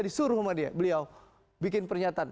disuruh sama dia beliau bikin pernyataan